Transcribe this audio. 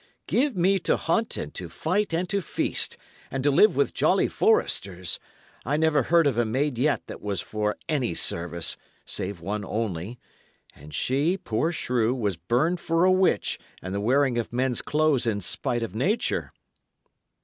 Give me to hunt and to fight and to feast, and to live with jolly foresters. I never heard of a maid yet that was for any service, save one only; and she, poor shrew, was burned for a witch and the wearing of men's clothes in spite of nature."